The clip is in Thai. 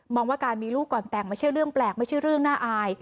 ว่าการมีลูกก่อนแต่งไม่ใช่เรื่องแปลกไม่ใช่เรื่องน่าอาย